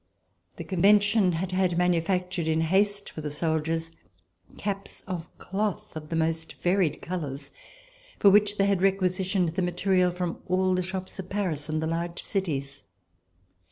The Con vention had had manufactured in haste for the soldiers caps of cloth of the most varied colors, for which they had requisitioned the material from all the shops of Paris and the large cities.